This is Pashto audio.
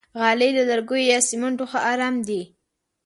غالۍ له لرګیو یا سمنټو ښه آرام دي.